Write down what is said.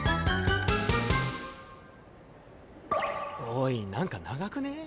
おい何か長くねえ？